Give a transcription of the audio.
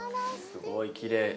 すごい、きれい。